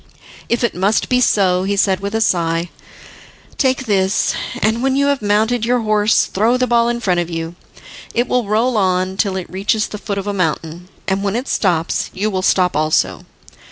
"If it must be so," he said, with a sigh, "take this, and when you have mounted your horse throw the ball in front of you. It will roll on till it reaches the foot of a mountain, and when it stops you will stop also.